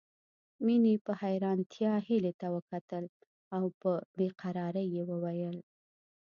مينې په حيرانتيا هيلې ته وکتل او په بې قرارۍ يې وويل